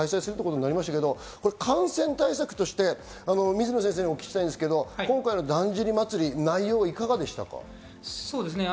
感染対策として水野先生にお聞きしたいんですが、今回のだんじり祭、内容いかがでしたか？